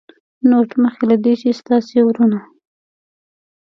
نوټ: مخکې له دې چې ستاسې وروڼو